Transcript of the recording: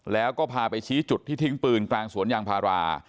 แล้วก็พาไปชี้จุดที่ทิ้งปืนกลางสวนยางพารา